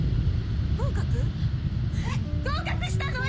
合格したの！？